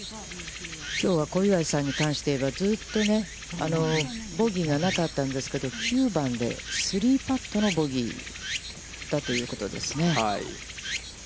きょうは小祝さんに関して言えば、ずうっと、ボギーがなかったんですけど、９番で、３パットのボギーだということですね。